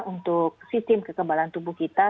untuk sistem kekebalan tubuh kita